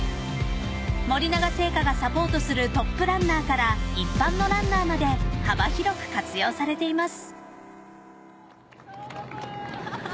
森永製菓がサポートするトップランナーから一般のランナーまで幅広く活用されています。